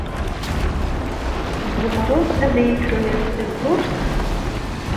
Tezemreḍ ad iyi-d telliḍ tawwurt?